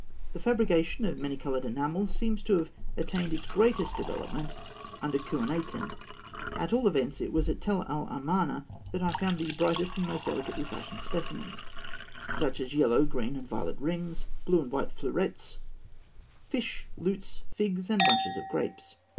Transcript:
The fabrication of many coloured enamels seems to have attained its greatest development under Khûenaten; at all events, it was at Tell el Amarna that I found the brightest and most delicately fashioned specimens, such as yellow, green, and violet rings, blue and white fleurettes, fish, lutes, figs, and bunches of grapes.